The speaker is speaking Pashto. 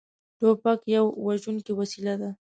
توپک یوه وژونکې وسلې ده.